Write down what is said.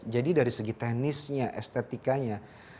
jadi dari segi teknisnya estetikanya